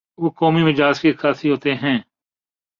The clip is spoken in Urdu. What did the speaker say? وہ قومی مزاج کے عکاس ہوتے ہیں۔